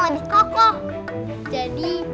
lebih kokoh jadi